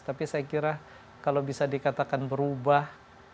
tapi saya kira kalau bisa dikatakan berubah